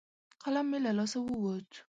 قلم مې له لاسه ووت.